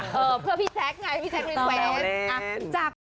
เออเพื่อพี่แจ๊คไงพี่แจ๊ครินแวน